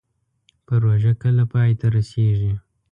پروژه کله پای ته رسیږي؟